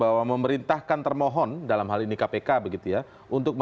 ada kependapatan berbeda dari jokowi dan jokowi